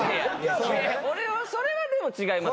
それはでも違いますね。